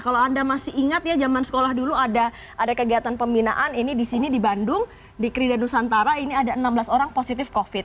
kalau anda masih ingat ya jaman sekolah dulu ada ada kegiatan pembinaan ini di sini di bandung di kridanusantara ini ada enam belas orang positif covid sembilan belas